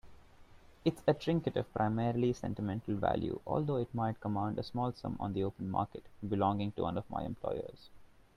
It's a trinket of primarily sentimental value, although it might command a small sum on the open market, belonging to one of my employers.